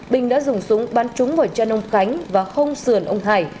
bình đã dùng súng bắn trúng vào chân ông khánh và không sườn ông hải